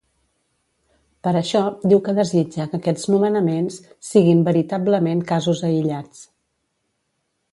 Per això, diu que desitja que aquests nomenaments ‘siguin veritablement casos aïllats’.